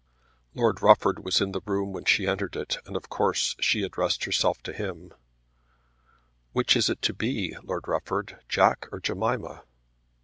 Lord Rufford was in the room when she entered it and of course she addressed herself to him. "Which is it to be, Lord Rufford, Jack or Jemima?"